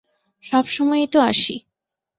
সবসময়-ই তো আসি।